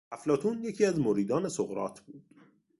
افلاطون یکی از مریدان سقراط بود.